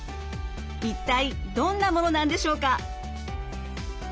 一体どんなものなんでしょうか？